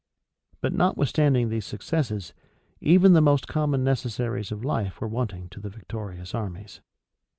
But notwithstanding these successes, even the most common necessaries of life were wanting to the victorious armies.